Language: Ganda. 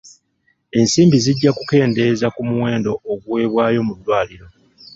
Ensimbi zijja kukendeeza ku muwendo oguweebwayo mu ddwaliro.